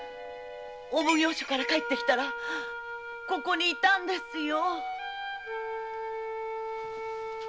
お奉行所から帰ってきたらここに居たんですよ。